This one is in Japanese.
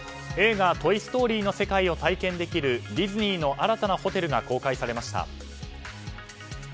映画「トイ・ストーリー」の世界を体験できるディズニーの新たなホテルが公開されました。